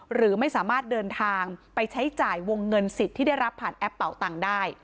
หรือไม่สามารถเดินทางไปใช้จ่ายวงเงินสิทธิ์ที่ได้รับผ่านแอปเป่าตังค์ได้